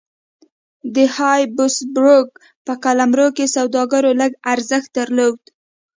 د هابسبورګ په قلمرو کې سوداګرو لږ ارزښت درلود.